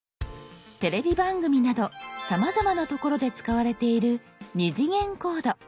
テレビ番組などさまざまな所で使われている「２次元コード」。